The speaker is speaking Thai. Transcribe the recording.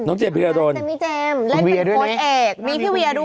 น้องเจมส์ธีระดลเจมส์เล่นเป็นโพสต์แอบมีพี่เวียด้วย